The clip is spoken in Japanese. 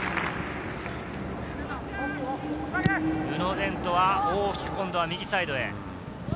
宇野禅斗は大きく今度は右サイドへ。